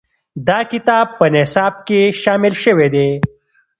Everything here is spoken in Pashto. دا کتاب په نصاب کې شامل شوی دی.